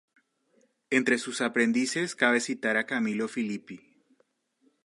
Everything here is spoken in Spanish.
Entre sus aprendices cabe citar a Camillo Filippi.